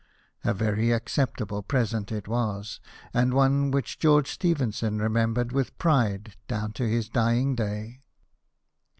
A very acceptable present it was, and one which George Stephenson remembered with pride down to his dying day.